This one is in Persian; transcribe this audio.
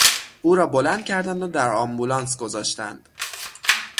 او را بلند کردند و در آمبولانس گذاشتند.